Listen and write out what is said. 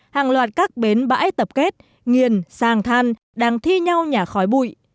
hàng loạt các bến bãi tập kết nghiền sàng than đang thi nhau nhà khói bụi